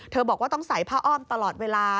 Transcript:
บอกว่าต้องใส่ผ้าอ้อมตลอดเวลา